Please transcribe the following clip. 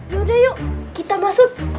yaudah yuk kita masuk